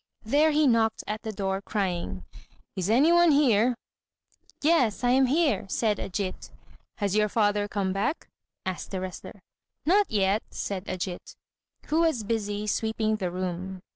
There he knocked at the door, crying, "Is any one here?" "Yes, I am here," said Ajít. "Has your father come back?" asked the wrestler. "Not yet," said Ajít, who was busy sweeping the room.